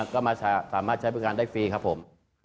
ก็สามารถใช้บริการได้ฟรีครับผม